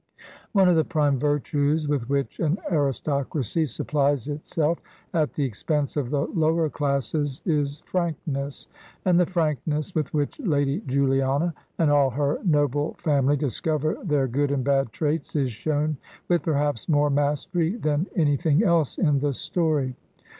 One of the prime virtues with which an siristocracy supplies itself at the expense of the lower classes is frankness; and the frankness with which Lady Juli ana and all her noble family discover their good and bad traits is shown with perhaps more mastery than anything else in the story.